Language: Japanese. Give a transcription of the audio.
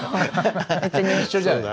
一緒じゃん。